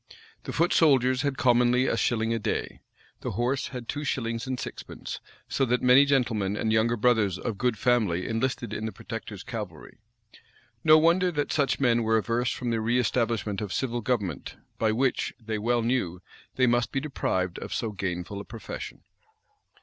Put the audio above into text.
[v] The foot soldiers had commonly a shilling a day.[v*] The horse had two shillings and sixpence; so that many gentlemen and younger brothers of good family enlisted in the protector's cavalry.[v] No wonder that such men were averse from the reëstablishment of civil government, by which, they well knew, they must be deprived of so gainful a profession.